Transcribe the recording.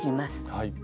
はい。